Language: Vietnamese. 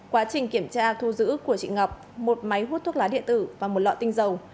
quá trình kiểm tra thu giữ của chị ngọc một máy hút thuốc lá điện tử và một lọ tinh dầu